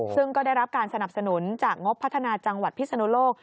ซึ่งก็ได้รับการสนับสนุนจากงบพัฒนาจังหวัดพิศนุโลก